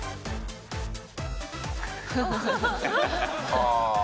はあ！